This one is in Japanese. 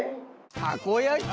たこ焼き！？